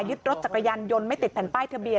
รถจักรยานยนต์ไม่ติดแผ่นป้ายทะเบีย